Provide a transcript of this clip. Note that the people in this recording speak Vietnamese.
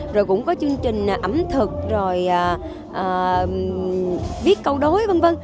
rồi cũng có chương trình ẩm thực rồi viết câu đối v v